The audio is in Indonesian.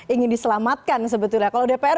ingin diselamatkan sebetulnya kalau dpr